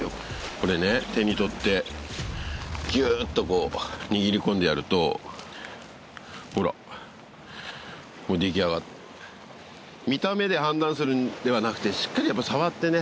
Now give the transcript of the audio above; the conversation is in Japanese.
これね手に取ってギューッとこう握り込んでやるとほら出来上がる見た目で判断するんではなくてしっかりやっぱ触ってね